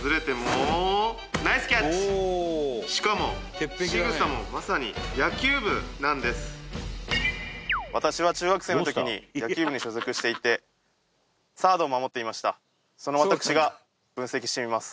しかも私は中学生の時に野球部に所属していてサードを守っていました